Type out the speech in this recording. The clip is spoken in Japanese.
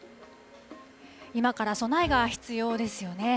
今から備えが必要ですよね。